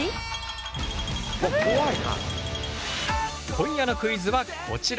今夜のクイズはこちら。